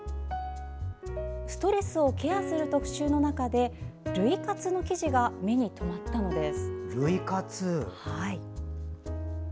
ストレスをケアする特集の中で涙活の記事が目に留まったのです。